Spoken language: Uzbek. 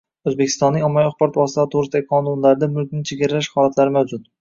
O‘zbekistonning Ommaviy axborot vositalari to‘g‘risidagi qonunlarida mulkni chegaralash holatlari mavjud.